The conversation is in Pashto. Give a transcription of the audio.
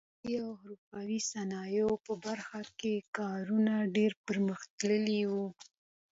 د لاسي او حرفوي صنایعو برخه کې کارونه ډېر پرمختللي وو.